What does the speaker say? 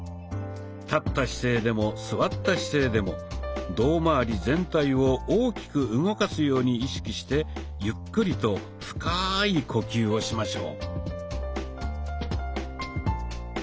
立った姿勢でも座った姿勢でも胴まわり全体を大きく動かすように意識してゆっくりと深い呼吸をしましょう。